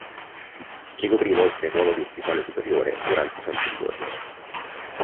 Ricoprì inoltre il ruolo di ufficiale superiore durante i Cento Giorni.